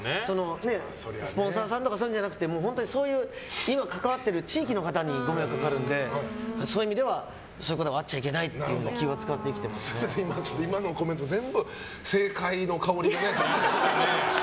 スポンサーさんとかじゃなくて今関わっている地域の方にご迷惑がかかるのでそういう意味ではそういうことがあっちゃいけない今のコメントも全部政界の香りがしますね。